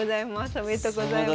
おめでとうございます。